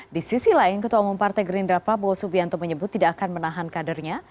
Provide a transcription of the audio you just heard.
di sisi lain ketua umum partai gerindra prabowo subianto menyebut tidak akan menahan kadernya